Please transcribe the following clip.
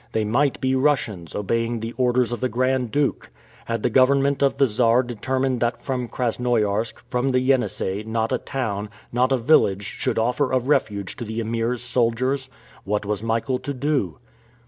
They might be Russians, obeying the orders of the Grand Duke. Had the government of the Czar determined that from Krasnoiarsk, from the Yenisei, not a town, not a village should offer a refuge to the Emir's soldiers? What was Michael to do?